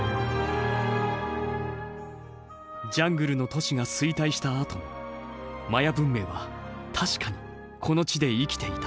ジャングルの都市が衰退したあともマヤ文明は確かにこの地で生きていた。